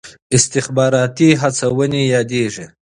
استخباراتي هڅونې یادېږي.